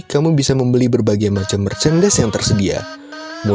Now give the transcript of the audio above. jadi sepanjang mall yang ada di luar